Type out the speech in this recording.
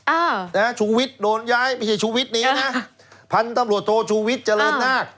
อ่านะฮะชูวิตโดนย้ายไม่ใช่ชูวิตนี้นะพันธุ์ตำลวดโตชูวิตเจริญนาก